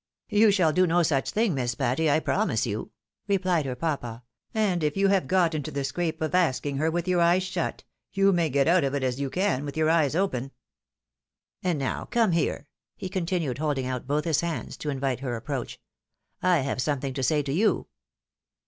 ' "You shall do no such thing. Miss Patty, I promise you," replied her papa ;" and if you have got into the scrape of asking her, with your eyes shut, you may get out of it as you can with your eyes open. And now .come here," he continued, holding out both his hands to invite her approach, "I have something to say to you."